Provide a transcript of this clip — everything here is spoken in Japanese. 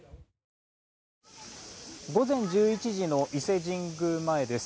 午前１１時の伊勢神宮前です。